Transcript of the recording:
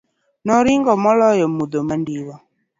Noring'o maloyo mudho mandiwa.